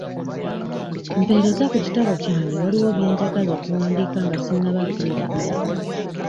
Mpeereza ku kitabo kyange waliwo bye njagala okuwandiika nga sinnaba byerabira.